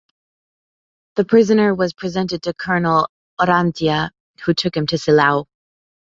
The prisoner was presented to Colonel Orrantia who took him to Silao.